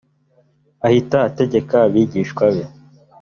ahita ategeka abigishwa be